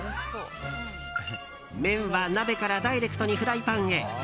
麺は鍋からダイレクトにフライパンへ。